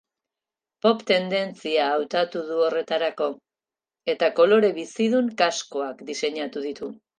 Pop tendentzia hautatu du horretarako eta kolore bizidun kaskoak diseinatu ditu.